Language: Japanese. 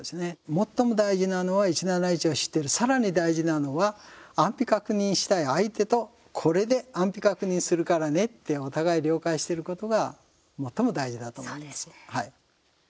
最も大事なのは１７１を知ってるさらに大事なのは安否確認したい相手とこれで安否確認するからねってお互い了解してることがそうですね。